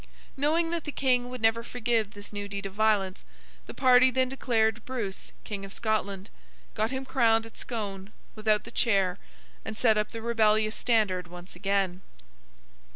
Knowing that the King would never forgive this new deed of violence, the party then declared Bruce King of Scotland: got him crowned at Scone—without the chair; and set up the rebellious standard once again.